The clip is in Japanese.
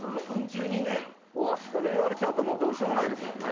うわっそれ言われちゃうともうどうしようもないですもんね。